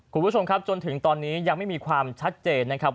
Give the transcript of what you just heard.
คุณผู้ชมครับจนถึงตอนนี้ยังไม่มีความชัดเจนนะครับ